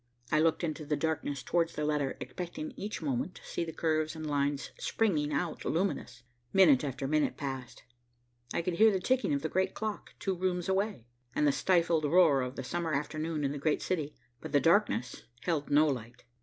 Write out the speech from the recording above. I looked into the darkness towards the letter, expecting each moment to see the curves and lines springing out luminous. Minute after minute passed. I could hear the ticking of the great clock, two rooms away, and the stifled roar of the summer afternoon in the great city, but the darkness held no light.